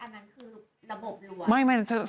ติดที่อันนั้นคือระบบรวง